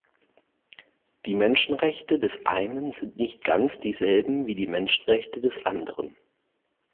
Die Menschenrechte des einen sind nicht ganz dieselben wie die Menschenrechte des anderen.